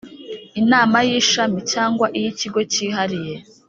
Inama y ishami cyangwa iy ikigo cyihariye